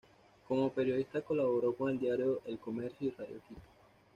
Como periodista colaboró con el diario "El Comercio" y radio Quito.